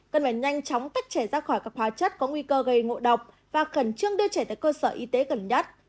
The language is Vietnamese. cần phải nhanh chóng tách trẻ ra khỏi các hóa chất có nguy cơ gây ngộ độc và khẩn trương đưa trẻ tới cơ sở y tế gần nhất